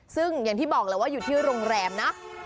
ซึ่งอย่างที่บอกแล้วว่าอยู่ที่โรงแรมนะ